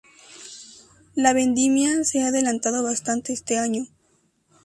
La vendimia se ha adelantado bastante este año